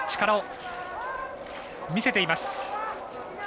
力を見せています。